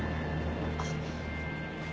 あっ。